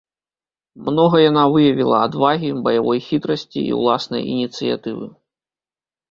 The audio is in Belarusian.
Многа яна выявіла адвагі, баявой хітрасці і ўласнай ініцыятывы.